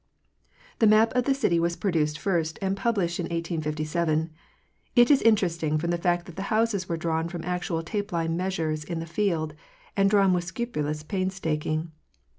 The map of the city was produced first and published in 1857. It is interesting from the fact that the houses were drawn from actual tape line measures in the field and drawn with scrupulous painstaking.